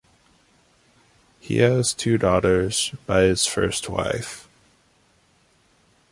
He has two daughters by his first wife.